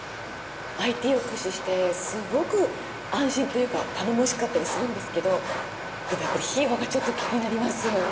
ＩＴを駆使してすごく安心というか頼もしかったりするんですけどでもやっぱり費用がちょっと気になりますよね。